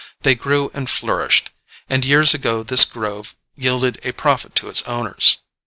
They grew and flourished, and years ago this grove yielded a profit to its owners.